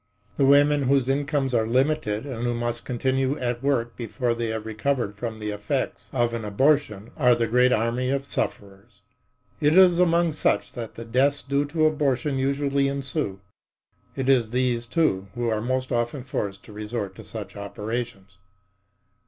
The women whose incomes are limited and who must continue at work before they have recovered from the effects of an abortion are the great army of sufferers. It is among such that the deaths due to abortion usually ensue. It is these, too, who are most often forced to resort to such operations.